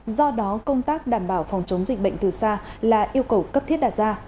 do đó công tác đảm bảo phòng chống dịch bệnh từ xa là yêu cầu cấp thiết đặt ra